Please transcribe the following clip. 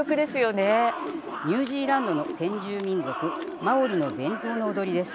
ニュージーランドの先住民族マオリの伝統の踊りです。